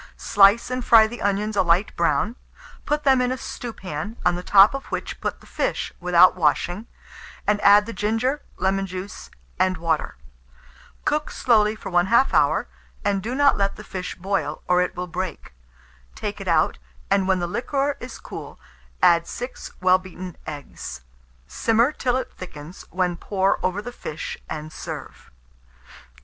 Slice and fry the onions a light brown; put them in a stewpan, on the top of which put the fish without washing, and add the ginger, lemon juice, and water. Cook slowly for 1/2 hour, and do not let the fish boil, or it will break. Take it out, and when the liquor is cool, add 6 well beaten eggs; simmer till it thickens, when pour over the fish, and serve.